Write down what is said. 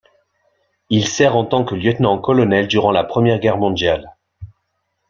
Il sert en tant que lieutenant-colonel durant la Première Guerre mondiale.